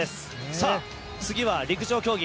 さあ、次は陸上競技。